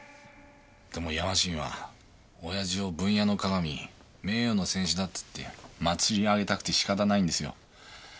でもヤマシンは親父を「ブンヤの鑑」「名誉の戦死」だっつって祭り上げたくて仕方ないんですよ。